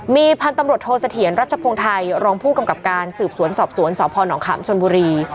มีพันธุ์ตำรวจโทษเสถียรรัชพงไทยรองผู้กำกับการสืบสวนสอบสวนสพนขามชนบุรี